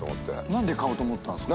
何で買おうと思ったんすか？